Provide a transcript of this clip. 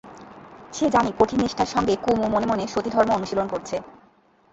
সে জানে কঠিন নিষ্ঠার সঙ্গে কুমু মনে মনে সতীধর্ম অনুশীলন করছে।